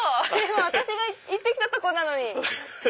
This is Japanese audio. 私が行って来たとこなのに！